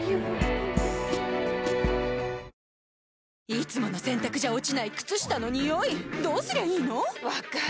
いつもの洗たくじゃ落ちない靴下のニオイどうすりゃいいの⁉分かる。